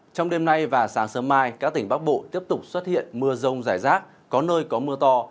trong đêm nay và sáng sớm mai các tỉnh bắc bộ tiếp tục xuất hiện mưa rông rải rác có nơi có mưa to